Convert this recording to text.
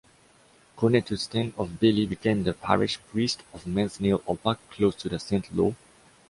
René Toustain of Billy became the parish priest of Mesnil-Opac, close to Saint-Lô.